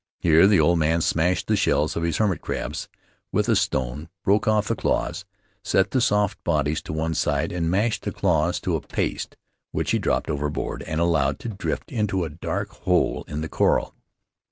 Here the old man smashed the shells of his hermit crabs with a stone, broke off the claws, set the soft bodies to one side, and mashed the claws to a paste, which he dropped overboard and allowed to drift into a dark hole in the coral.